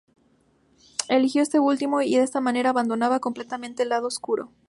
Eligió esto último, y de esa manera abandonaba completamente el Lado Oscuro.